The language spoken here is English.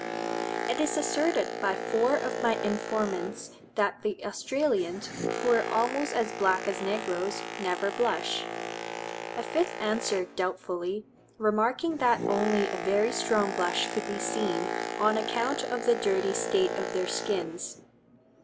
It is asserted by four of my informants that the Australians, who are almost as black as negroes, never blush. A fifth answers doubtfully, remarking that only a very strong blush could be seen, on account of the dirty state of their skins.